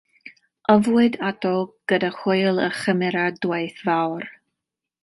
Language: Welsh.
Yfwyd ato gyda hwyl a chymeradwyaeth fawr.